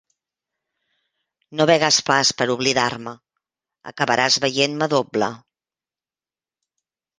No begues pas per oblidar-me: acabaràs veient-me doble.